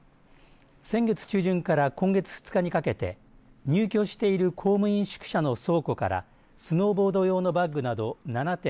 先月中旬から今月２日にかけて入居している公務員宿舎の倉庫からスノーボード用のバッグなど７点